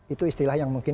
itu istilah yang mungkin